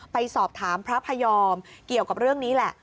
ไปสอบถามพระพยอมเกี่ยวกับเรื่องนี้แหละ